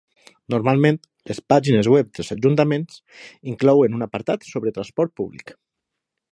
Normalment les pàgines web dels ajuntaments inclouen un apartat sobre transport públic.